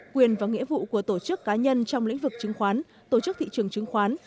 quyền và nghĩa vụ của tổ chức cá nhân trong lĩnh vực chứng khoán tổ chức thị trường chứng khoán